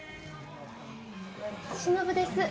忍です